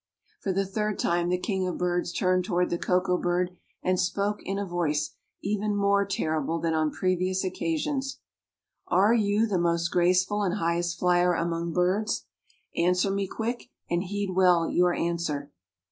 For the third time the king of birds turned toward the Koko bird and spoke in a voice even more terrible than on previous occasions. "Are you the most graceful and highest flyer among birds? Answer me quick and heed well your answer."